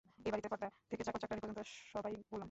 এ বাড়িতে কর্তা থেকে চাকর-চাকরানী পর্যন্ত সবাই গোলাম।